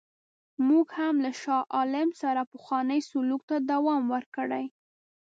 موږ هم له شاه عالم سره پخوانی سلوک ته دوام ورکړی.